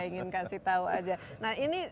ingin kasih tahu aja nah ini